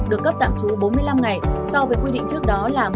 được cấp tạm trú bốn mươi năm ngày so với quy định trước đó là một mươi năm ngày